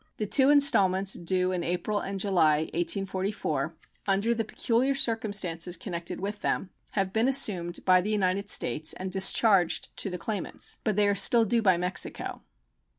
The two installments due in April and July, 1844, under the peculiar circumstances connected with them, have been assumed by the United States and discharged to the claimants, but they are still due by Mexico.